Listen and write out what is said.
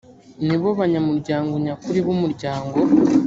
nibo banyamuryango nyakuri b’umuryango